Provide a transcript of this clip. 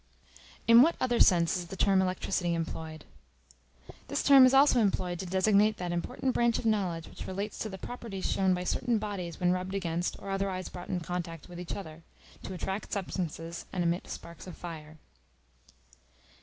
In what other sense is the term Electricity employed? This term is also employed to designate that important branch of knowledge which relates to the properties shown by certain bodies when rubbed against, or otherwise brought in contact with, each other, to attract substances, and emit sparks of fire.